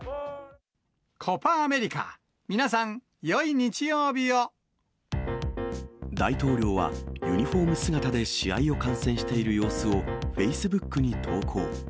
コパ・アメリカ、皆さん、大統領は、ユニホーム姿で試合を観戦している様子を、フェイスブックに投稿。